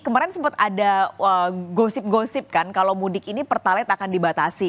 kemarin sempat ada gosip gosip kan kalau mudik ini pertalit akan dibatasi